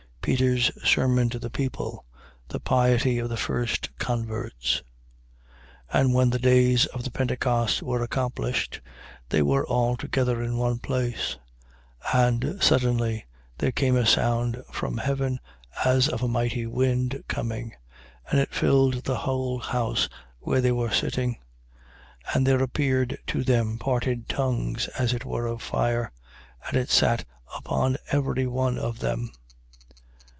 Peter's sermon to the people. The piety of the first converts. 2:1. And when the days of the Pentecost were accomplished, they were all together in one place: 2:2. And suddenly there came a sound from heaven, as of a mighty wind coming: and it filled the whole house where they were sitting. 2:3. And there appeared to them parted tongues, as it were of fire: and it sat upon every one of them.